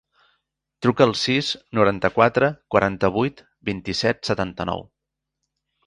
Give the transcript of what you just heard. Truca al sis, noranta-quatre, quaranta-vuit, vint-i-set, setanta-nou.